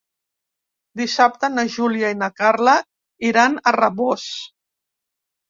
Dissabte na Júlia i na Carla iran a Rabós.